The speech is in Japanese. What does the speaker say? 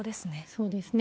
そうですね。